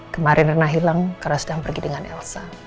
kemarin ranah hilang karena sedang pergi dengan elsa